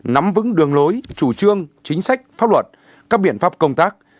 nắm vững đường lối chủ trương chính sách pháp luật các biện pháp công tác